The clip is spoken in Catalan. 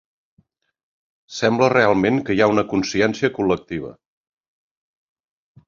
Sembla realment que hi ha una consciència col·lectiva.